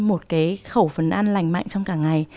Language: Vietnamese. một cái khẩu phần ăn lành mạnh trong cả ngày